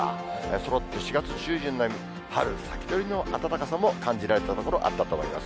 そろって４月中旬並み、春先取りの暖かさも感じられた所あったと思います。